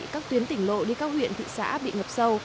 các tuyến tỉnh lộ đi các huyện thị xã bị ngập sâu